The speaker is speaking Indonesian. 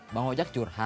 bang ojek curang ya